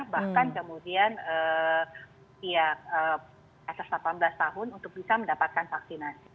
bahkan kemudian di atas delapan belas tahun untuk bisa mendapatkan vaksinasi